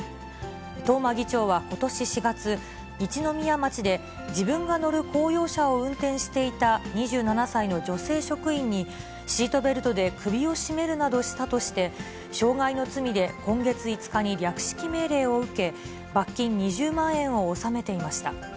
東間議長はことし４月、一宮町で自分が乗る公用車を運転していた２７歳の女性職員に、シートベルトで首を絞めるなどしたとして、傷害の罪で今月５日に略式命令を受け、罰金２０万円を納めていました。